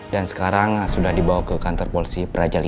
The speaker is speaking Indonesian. dan sekarang sudah dibawa ke kantor polisi praja v